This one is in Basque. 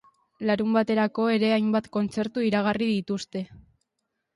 Larunbaterako ere hainbat kontzertu iragarri dituzte.